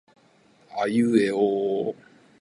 あいうえおおお